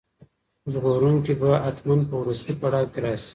ژغورونکی به حتماً په وروستي پړاو کې راشي.